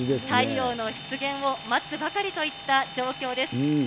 太陽の出現を待つばかりといった状況です。